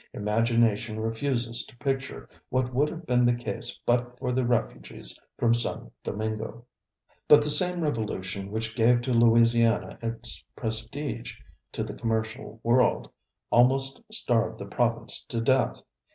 Imagination refuses to picture what would have been the case but for the refugees from San Domingo. But the same revolution which gave to Louisiana its prestige to the commercial world, almost starved the province to death.